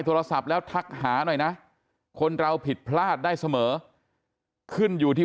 โทรศัพท์แล้วทักหาหน่อยนะคนเราผิดพลาดได้เสมอขึ้นอยู่ที่